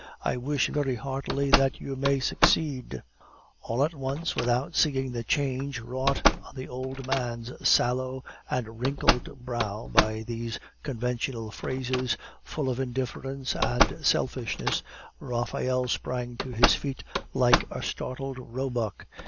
I wish very heartily that you may succeed " All at once, without seeing the change wrought on the old man's sallow and wrinkled brow by these conventional phrases, full of indifference and selfishness, Raphael sprang to his feet like a startled roebuck.